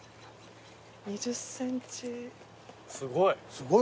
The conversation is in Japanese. すごい。